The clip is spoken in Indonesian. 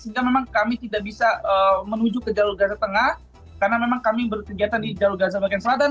sehingga memang kami tidak bisa menuju ke jalur gaza tengah karena memang kami berkegiatan di jalur gaza bagian selatan